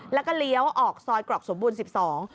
แล้วก็เลี้ยวออกซอยกรอกสมบูรณ์สิบสอง